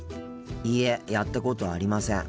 いいえやったことありません。